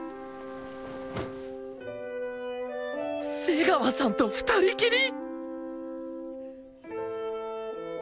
瀬川さんと２人きり！？